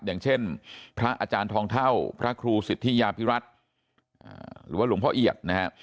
อย่างเช่นพระอาจารย์ทองเท่าพระครูสิทธิยาพิรัตน์หรือว่าหลวงพ่อเอียดนะฮะ